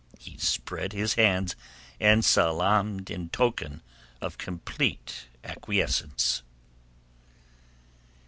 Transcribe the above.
He spread his hands and salaamed in token of complete acquiescence.